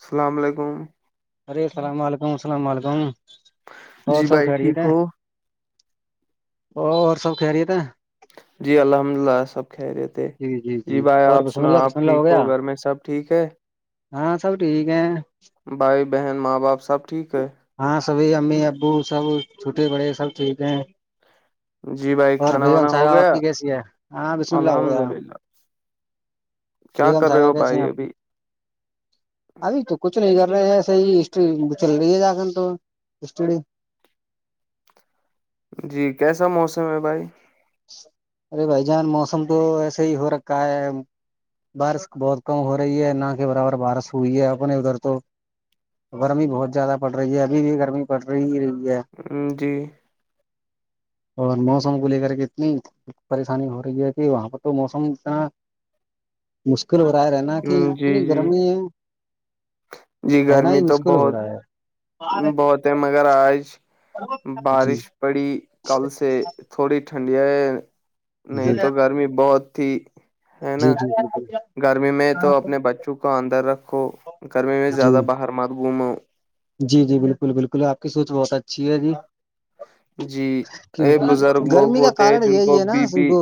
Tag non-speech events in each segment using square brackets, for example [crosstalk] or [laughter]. السلام علیکم ارے اللام علیکم اللام علیکم اور جی سب بھائی خیریت ٹھیک ہے ہو اور اور سب کہ رہیے تھے جی الحمد للہ سب کہہریے تھ جی بھائی اور آپ بسم سنا اللہ بسم آپ اللہ ٹھیک گیا ہو گھر میں سب ٹھیک ہے ہاں سب ٹھیک ہے بھائی بہن ماں باپ سب ٹھیک ہے ہاں سبھی امی ابو سب چھوٹے بڑے سب ٹھیک ہیں جی بھائی اور کھانا بھیگم وانا صاحب ہو آپ گیا کی کیسی ہے ہاں بسم اللہ ہو الحمد گیا للہ کیا بیگم کر رہے صاحبہ ہو کیسے ہیں بھائی آپ کی ابھی ابھی تو کچھ نہیں کر رہے ہیں ایسے ہی ہسٹری چل رہی ہے جااکن تو ہٹ جی کیسا موسم ہے بھائی ارے بھائی جان موسم تو ایسے ہی ہو رکھا ہے بارش بہت کم ہو رہی ہے نہ کہ برابر بارش ہوئی ہے اپنے ادھر تو گرمی بہت زیادہ پڑ رہی ہے ابھی بھی گرمی پڑ رہی ہی رہی ہے جی اور موسم کو لے کر کے پریشانی ہو رہی ہے کہ وہاں پر تو موسم اتنا مشکل ہو رہا ہے رہنا کہ اتنی گرمی ہے نہیں رہنا گرمی ہی تو مشکل ہو بہت رہا ہے بہت تہ مگر آج جی بارش پڑی کل سے تھوڑی ٹھنڈیا ہے نہیں تو گرمی بہت تھی ہے جی نا جی جی جی گرمی میں تو اپنے بچوں کو اندر رکھو گرمی میں جی زیادہ باہر مت گھومو جی جی بالکل بالکل آپ کی سوچ بہت اچھی ہے جی جی ایک کیونکہ بزرگ لوگ گرمی کا ہوتے ہیں کارن جن کو یہی ہے بی نا پی سنگو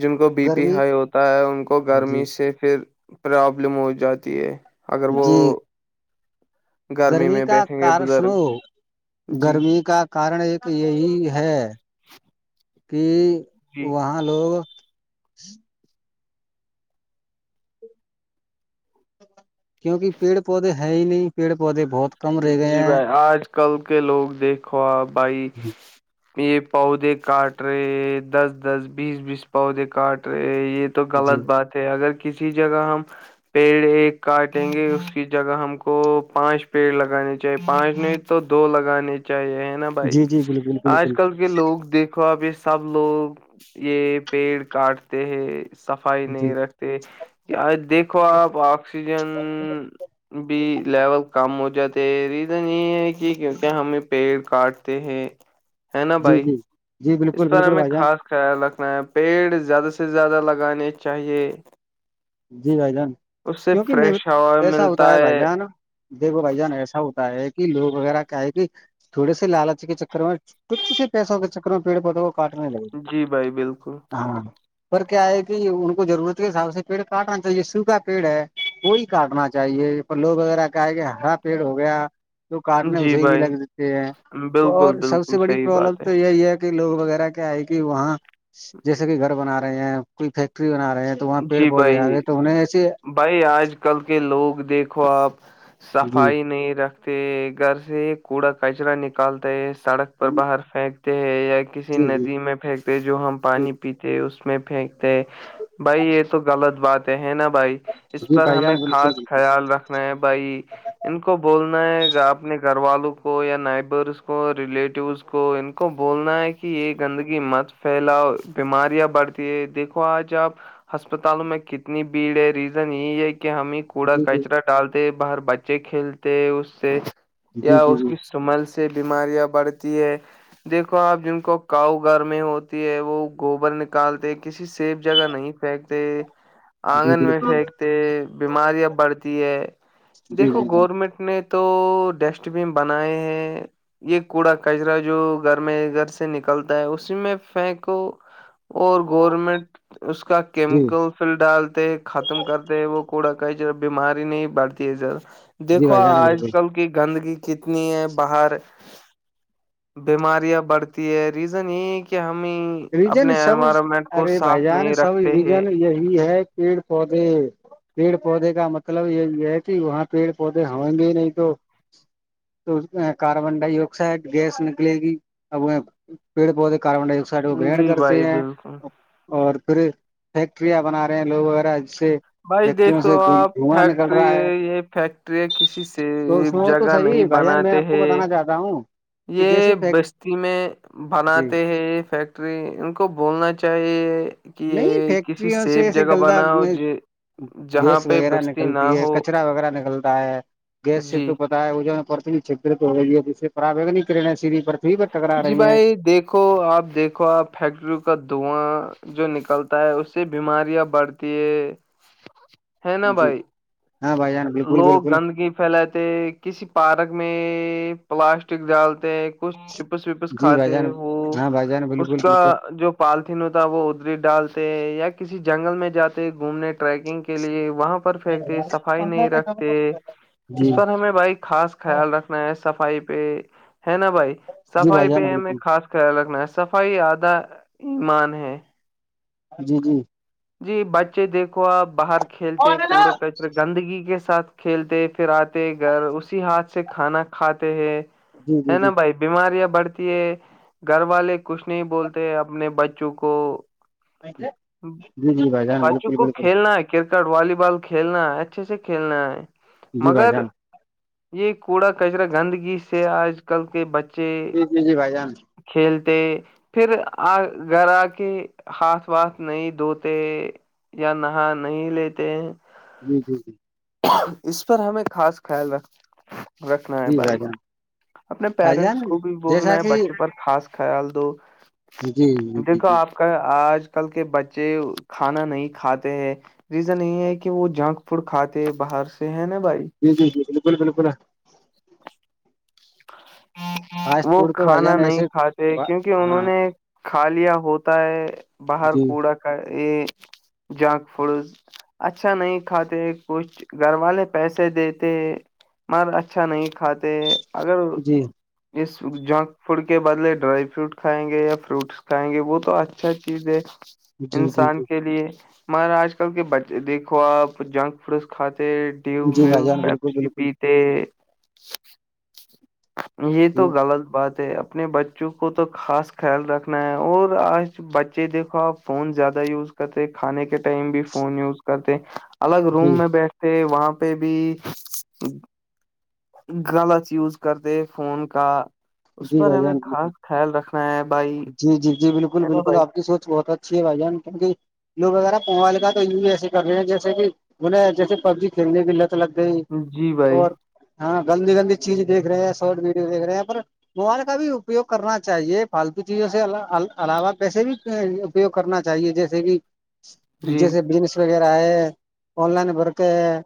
جن کو بی پی گرمی ہائی ہوتا ہے ان کو جی گرمی سے پھر پرابلم ہو جاتی ہے اگر وہ جی گرمی میں کا بیٹھیں گے کار بزرگ سنو جی گرمی کا کارن ایک یہی ہے کہ جی وہاں لوگ کیونکہ پیڑ پودے ہے ہی نہیں پیڑ پودے بہت کم رہ گئے جی ہیں بھائی آج کل کے لوگ دیکھو آ پ بھائی یہ پودے کاٹ رہے دس دس بیس بیس پودے کاٹ رہے یہ تو جی غلط بات ہے اگر کسی جگہ ہم پیڑ ایک کاٹیں گے اس کی جگہ ہم کو پانچ پیڑ لگانے چاہیے پانچ نہیں تو دو لگانے چاہیے نہ بھائی جی جی بالکل آج بالکل کل کے لوگ دیکھو آپ اس تب لوگ یہ پیڑ کاٹتے ہیں صفائی جی نہیں رکھتے دیکھو آپ آکسیجن بھی لیول کم ہو جاتے ہے ریزن یہ ہے کہ کیونکہ ہمیں پیڑ کاٹتے ہیں ہے نا جی بھائی جی جی اس بالکل پر بالکل ہمیں بھائی جان خاص خیال رکھنا ہے پیڑ زیادہ سے زیادہ لگانے چاہیے جی بھائی جان اس سے کیوںکہ م فریش ہوا ایسا ہوتا ملتا ہے بھائی جان دیکھو بھائی جان ایسا ہوتا ہے کہ لوگ وغیرہ کیا ہے کہ تھوڑے سے لالچ کے چکر میں ٹچے سے پیسوں کے چکر میں پیڑ پودوں کو کاٹنے لگے گی جی بھائی بالکل ہاں پر کیا ہے کہ ان کو ضرورت کے حساب سے پیڑ کاٹنا چاہیے سو کھا پیڑ ہے کوئی کاٹنا چاہیے لوگ وغیرہ کہے کہ ہرا پیڑ ہو گیا تو کاٹنے جی اسے بھی بھائی لگ جاتتے ہیں بالکل اور سب بالکل سے بڑی صحیح پرابلم بات ہے تو یہی ہے [inaudible] لوگ وغیرہ کیا ہے کہ وہاں جیسے کہ گھر بنا رہے ہیں کوئی فیکٹری بنا رہے ہیں تو وہاں پیڑ جی پودے بھائی آگے تو انہیں ایسے بھائی آج کل کے لوگ دیکھو آپ جی صفائی نہیں رکھ اے گھر سے کوڑا کچرا نکالتا ہے سڑک پر جی باہر پھینکتے ہے یا کسی جی ندی میں پھینکتے جو ہم پانی پیتے اس میں پھینکتے بھائی یہ تو غلط بات ہے ہے نا بھائی اس جی پر بھائی ہمیں جان بالکل خاص بالکل خیال رکھ میں بھائی ان کو بولنا ہے اپنے گھر والوں کو یا نائبرس کو ریلیٹیوس کو کو بولنا ہے کہ یہ گندگی مت پھیلاؤ بیماریاں بڑھتی ہے دیکھو آج آپ کو ہسپتالوں میں کتنی بھیڑ ہے ریزن یہی ہے کہ ہمیں کوڑا جی جی کچرا ڈالتے ہے باہر بچے کھیلتے اس سے جی جی یا اس جی کی مل سے بیماریاں بڑھتی ہے دیکھو آپ جن کو کاؤ گھر میں ہوتی ہے وہ گوبر نکالتے کسی سیف جگہ نہیں فتے جی آنگن میں بالکل پھینکتے بیماریاں بڑھتی ہے جی دیکھو جی جی گورنمنٹ نے تو ڈسٹ بن بنائے ہیں یہ کوڑا کچرا جو گھر میں گھر سے نکلتا ہے اسی میں پھینکو اور گورنمنٹ اس کا جی کیمیکل پل ڈالتے ختم کرتے وہ کوڑا کا بیماری نہیں بڑتی ہے سھر جی دیکھو بھائی جان آج بالکل کل کی گندگی کتنی ہے باہر بیماریاں بڑھتی ہے ریزن یہ ہے کہ ہمیں ریجن اپنے سب انوائرمنٹ کو ارے بھائی صاف جان نہیں سب رکھتے ہیں ریجن یہی ہے پیڑ پودے پیڑ پودے کا مطلب یہ یہ ہے کہ وہاں پیڑ پودے ہویں گے ہی نہیں تو تو کاربن ڈائی آکسائڈ گیس نکلے گی اب وہ پیڑ پودے کاربن ڈائ آکسائڈ کو گرہن جی کرتے بھائی ہیں بالکل اور پھر فیکٹریاں بنا رہے ہیں لوگ وغیرہ جس سے بھائی دیکھ فیکٹریوں سے تو آپ دھواں نکل فیکٹری رہا ہے یہ فیکٹری ہے کسی سے تو اس میں تو جگہ نہیں صحیح بھائی ار میں بناتے آپ کو ہیں بتانا چاہتا ہوں کہ جیسے یہ فیک بستی میں جی بناتے ہیں فیکٹ ان کو بولنا چاہیے کہ نہیں یہ کسی فیکٹریوں سے سیف ایسے جگہ بنا ہو گلدا ج جہاں گیس پہ وغیرہ بستی نہ نکلتی ہے ہو کچرا وغیرہ نکلتا ہے گیس سے جی تو پتا ہے وہ پرت چ ہوی ہے جس سے پروگ کر سھی پر ٹکرا جی رہی ہیں بھائی دیکھو آپ دیکھو آپ فیکٹریوں کا دھواں جو نکلتا ہے اس سے بیماریاں بڑھتی ہے ہے نا جی بھائی ہاں بھائی جان بالکل لوگ بالکل گندگی پھیلاتے کسی پارک میں پلاسٹک ڈالتے کچ چپس وپس جی بھائی کھاتے جان وہ ہاں بھائی جان اس بالکل کا بالکل جو پالتن ہوتا وہ ادری ڈالتے یا کسی جنگل میں جاتے گھومنے ٹریکنگ کے لیے وہاں پر پھینکتے صفائی نہیں رکھتے جی اس پر ہمیں بھائی خاص خیال رکھنا ہے صفائی پہ ہے نا بھائی جی صفائی بھائی جان پہ ہمیں بالکل خاص خیال رکھنا ہے صفائی آدھا ایمان ہے جی جی جی بچے دیکھو آپ باہر کھیلتے کوڑے کچرے گندگی کے ساتھ کھیلتے پھر آتے گھر اسی ہاتھ سے کھانا کھاتے ہیں جی ہے نا جی بھائی بیماریاں بڑھتی ہے گھر والے کچھ نہیں بولتے اپنے بچوں کو سے بچوں کو کھیلنا ہے کرکٹ والی بال کھیلنا ہے اچھے سے کھیلنا ہے جی بھائی مگر جان یہ کوڑا کچرا گندگی سے آج کل کے بچے جی جی جی بھائی جان کھیلتے پھر آ گھر آ کے ہاتھ سواسھ نہیں دھوتے یا نہا نہیں لیتے جی جی جی اس پر ہمیں خاص خیال رکھ رکھنا ہے جی بھائی جان اپنے بھائی جان پیرنٹس کو بھی بولنا جیسا ہے کہ بچوں پر خاص خیال دو جی جی جی دیکھو جی آپ آج کل کے بچے کھانا نہیں کھاتے ہیں ریزن یہ ہے کہ وہ جنک فوڈ کھاتے باہر سے ہے نا بھائی جی جی جی بالکل بالکل فاسٹ وہ فوڈ تو بھائی کھانا جان نہیں ایسے کھاتے کیونکہ انہوں ہاں نے کھا لیا ہوتا ہے باہر جی کوڑا کا یہ جنک ف اچھا نہیں کھاتے کچھ گھر والے پیسے دیتے مگر اچھا نہیں کھاتے اگر جی اس جنک فوڈ کے بدلے ڈرائی فروٹ کھائیں گے یا فروٹس کھائیں گے وہ تو اچھا چیز ہے جی جی انسان جی کے لیے ہمارا آج کل کے بچے دیکھو آپ جنک فوس کھاتے ٹیو جی بھائی ویو جان پپ بالکل س بالکل پی ت یہ تو جی غلط بات ہے اپنے بچوں کو تو خاص خیال رکھنا ہے اور آج بچے دیکھو آپ فون زیادہ یوز کرتے کھانے کے ٹائم بھی فون یوز کرتے الگ جی روم میں بیٹھتے وہاں پہ بھی غلط یوز کرتے فون کا اس جی پر بھائی ہمیں جان بالکل خاص خیال رکھنا ہے بھائی جی جی جی بالکل نا بھائی بالکلپ کی سوچ بہت اچھی ہے بھائی جان کی کہ لوگ وغیرہ موبائل کا تو یوز ایسے کر رہے ہیں جیسے کہ انہیں جیسے پب جی کھیلنے کی بھی لگ لگ گئی جی بھائی اور ہاں گندی گندی چیز دیکھ رہے ہیں شارٹ ویڈیو دیکھ رہے ہیں پر موبائل کا بھی اپیوگ کرنا چاہیے فالتو چیزوں سے علاوہ پیسے بھی اپیوگ کرنا چاہیے جیسے کہ جی جیسے بجنس وغیرہ ہے آن لائن بھرتے ہے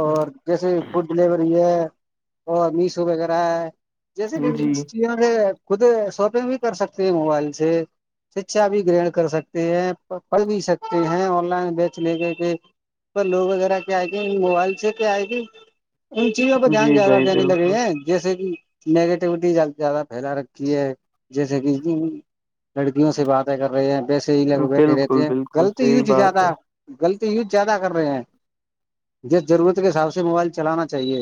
اور جیسے فوڈ ڈلیوری ہے اور میشو وغیرہ ہے جیسے کہ جی خود شاپنگ بھی کر سکتے ہیں موبائل سے شکھا بھی گرہن کر سکتے ہیں پڑھ بھی سکتے ہیں آن لائن بیچ لے کے کے پر لوگ وغیرہ کیا آئے گے موبائل سے کیا آئے گی ان چیزوں پہ دھیان جی زیادہ بھائی دینے لگے بالکل ہیں جیسے کہ نیگیٹیوٹی جل زیادہ پھیلا رکھی ہے جیسے کہ لڑکیوں سے باتیں کر رہے ہیں بیس صحی لے کر بیٹھے رہتے بالکل ہیں بالکل غلط صحیح یوج بات زیادہ ہے غلط یوز زیادہ کر رہے ہیں جس ضرورت کے حساب سے موبائل چلانا چاہیے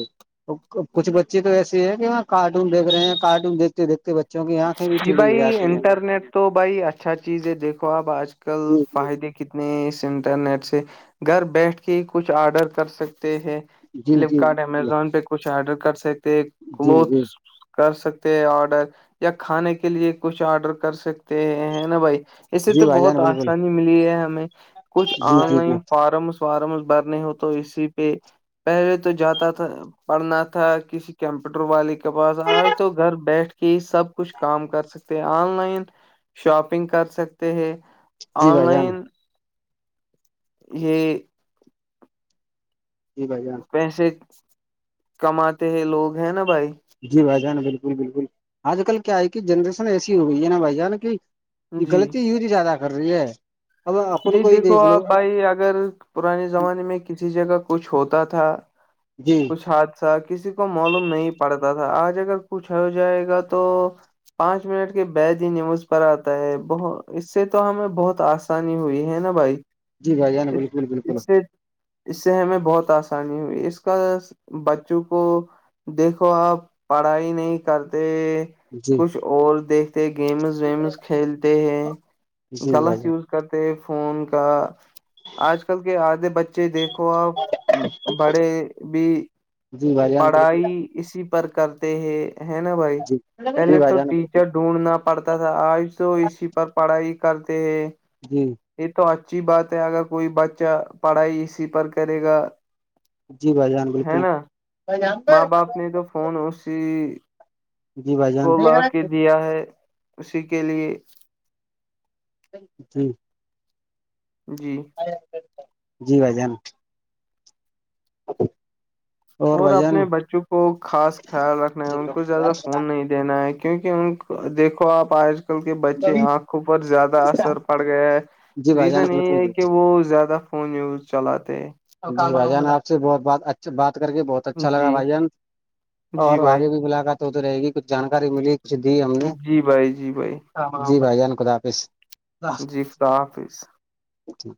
کچھ بچے تو ایسے ہیں کہاں کارٹون دیکھ رہے ہیں کارٹون دیکھتے دیکھتے بچے کیونکہ آنکھیں بھی جی ٹیڑی ہو بھائی جاتی ہیں انٹرنیٹ تو بھائی اچھا چیز ہے دیکھو آپ آج کل جی فائدے کے کتنے اس انٹرنیٹ سے گھر بیٹھ کے ہی کچھ آرڈر کر سکتے ہیں جی جی فلپکارٹ جی امیزون پہ کچھ آرڈر کر سکتے جی جی کلوتھس کر سکتے ہیں آرڈر یا کھانے کے لیے کچھ آرڈر کر سک ہے نا بھائی اس سے جی تو بھائی جان بہت بالکل آسانی ملی ہے ہمیں کچھ جی آن جی جی لائن فارمس وارمس بھرنے ہو تو اسی پہ پہلے تو جاتا تھا پڑھنا تھا کسی کمپیوٹر والے کے پاس آج تو گھر بیٹھ کے ہی سب کچھ کام کر سکتے ہیں آن لائن شاپنگ کر سکتے ہیں جی آن بھائی جان لائن یہ جی بھائی جان پیسے کماتے ہیں لوگ ہیں نا بھائی جی بھائی جان بالکل بالکل آج کل کیا ہے کہ جنریشن ایسی ہو گئی ہے نا بھائی جان کی یہ جی غلطی یور زیادہ کر رہی ہے اب اپن جی کو ہی دیکھو دیکھ لو آپ بھائی اگر پرانے زمانے میں کسی جگہ کچھ ہوتا تھا جی کچھ حادثہ کسی کو معلوم نہیں پڑتا تھا آج اگر کچھ ہو جائے گا تو پانچ منٹ کے بید ہی نیوز پر آتا ہے ب اس سے تو ہمیں بہت آس آسانی ہوئی ہے نا بھائی جی بھائی جان اس بالکل بالکل اس سے اس سے ہمیں بہت آسانی ہوئی اس کل بچوں کو دیکھو آپ پڑھائی نہیں کرتے جی کچھ اور دیکھتے گیمز ویمز کھیلتے ہیں جی بھائی غلط جان یوز کرتے فون کا آج کل کے آدھے بچے دیکھ کو آ بڑے بھی جی بھائی جان بالکل پڑھائی اسی پر کرتے ہے ہے نا بھائی جی جی پہلے بھائی تو جان ٹی بالکل ڈھونڈنا پڑتا تھا آج تو اسی پر پڑھائی کرتے ہیں جی یہ تو اچھی بات ہے اگر کوئی بچہ پڑھائی اسی پر کرے گا جی بھائی جان ہے بالکل نا ماں باپ نے تو فون اسی جی بھائی کو جان لا کے دیا ہے اسی کے لیے جی جی جی بھجان ہ اور اپنے بچوں کو خاص خیال رکھنا ہے ان کو زیادہ فون نہیں دینا ہے کیونکہ ان کو دیکھو آپ آج آ کل کے بچے آنکھوں پر زیادہ اثر پڑ گئے ہے جی بھائی جان ریزن یہ بالکل ہے کہ بالکل جی وہ زیادہ فون یوز چلاتے ہیں بان آ سے بہت بہ اچھا بات کر کے بہت اچھا لگا جی بھائیت اور جی بھائی آگے بھی ملاقات ہوتی رہے گی کچھ جانکاری ملی کھ دی ہم نے جی بھائی جی بھائی جی بھائیان خد حافظ ر جی خدا حافظ ٹھیک